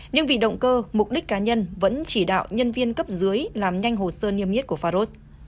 nhưng vì động cơ mục đích cá nhân vẫn chỉ đạo nhân viên cấp dưới làm nhanh hồ sơ niêm yết của faros